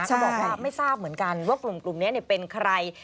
เขาบอกว่าไม่ทราบเหมือนกันว่ากลุ่มนี้เป็นใคร